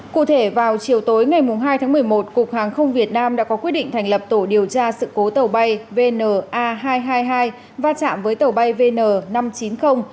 cụ thể vào chiều tối ngày hai tháng một mươi một cục hàng không việt nam đã có quyết định thành lập tổ điều tra sự cố tàu bay vna hai trăm hai mươi hai va chạm với tàu bay vn năm trăm chín mươi